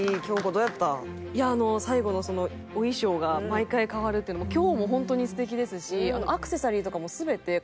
どうやった？いや最後のお衣装が毎回変わるっていうのも今日もホントに素敵ですし。